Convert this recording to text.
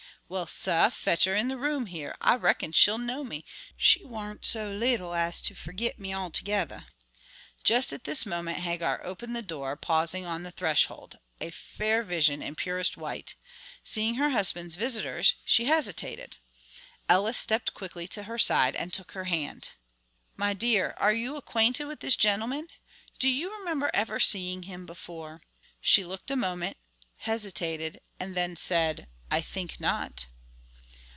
"Well, sah, fetch her in the room here; I reckon she'll know me. She warn't so leetle as to fergit me altogether." Just at this moment Hagar opened the door, pausing on the threshold, a fair vision in purest white; seeing her husband's visitors, she hesitated. Ellis stepped quickly to her side and took her hand. "My dear, are you acquainted with this gentleman? Do you remember ever seeing him before?" She looked a moment, hesitated, and then said: "I think not."